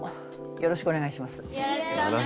よろしくお願いします。